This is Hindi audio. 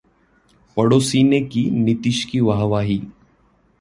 पड़ोसी ने की नीतीश की वाहवाही